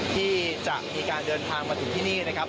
ที่จะมีการเดินทางมาถึงที่นี่นะครับ